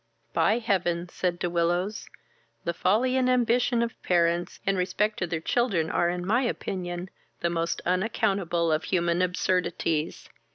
"By heaven! (said De Willows,) the folly and ambition of parents, in respect to their children, are, in my opinion, the most unaccountable of human absurdities.